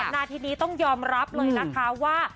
นาทีนี้ต้องยอมรับเลยนะคะว่า